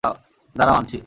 দাঁড়াও, আনছি।